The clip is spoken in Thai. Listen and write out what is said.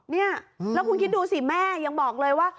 เนี่ยแล้วคุณคิดดูสิแม่ยังบอกเลยว่า